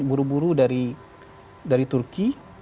buru buru dari turki